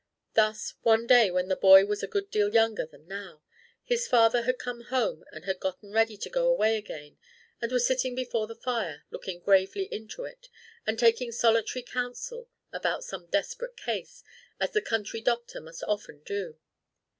Thus, one day when the boy was a good deal younger than now, his father had come home and had gotten ready to go away again and was sitting before the fire, looking gravely into it and taking solitary counsel about some desperate case, as the country doctor must often do.